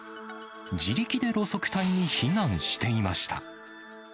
自力で路側帯に避難していました。